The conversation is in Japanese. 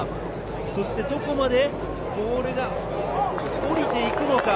そしてどこまでボールが下りていくのか？